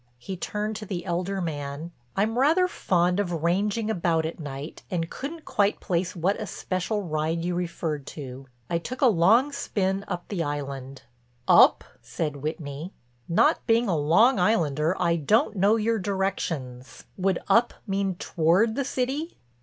He turned to the elder man. "I'm rather fond of ranging about at night, and couldn't quite place what especial ride you referred to. I took a long spin up the Island." "Up?" said Whitney, "not being a Long Islander I don't know your directions. Would 'up' mean toward the city?"